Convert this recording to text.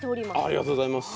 ありがとうございます。